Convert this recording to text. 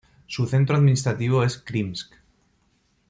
Su centro administrativo es Krymsk.